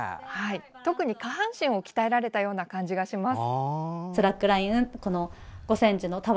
特に下半身を鍛えられたような感じがします。